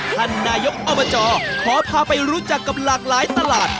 ท่านนายกอบจขอพาไปรู้จักกับหลากหลายตลาด